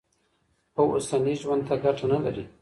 خو اوسني ژوند ته ګټه نه لري.